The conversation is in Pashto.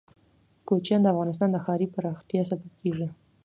کوچیان د افغانستان د ښاري پراختیا سبب کېږي.